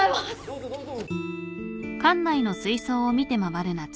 どうぞどうぞ。